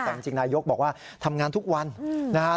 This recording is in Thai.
แต่จริงนายกบอกว่าทำงานทุกวันนะครับ